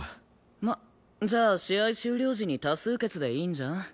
まっじゃあ試合終了時に多数決でいいんじゃん？